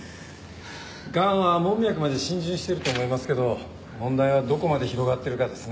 がんは門脈まで浸潤してると思いますけど問題はどこまで広がってるかですね。